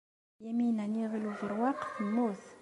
Yamina n Yiɣil Ubeṛwaq temmut.